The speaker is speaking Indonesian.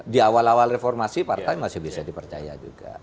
di awal awal reformasi partai masih bisa dipercaya juga